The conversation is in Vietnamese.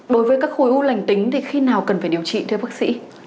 đối với các khối u lành tính thì khi nào cần phải điều trị theo bác sĩ